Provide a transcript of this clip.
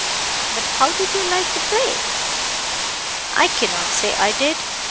"But how did you like the play?" "I cannot say I did.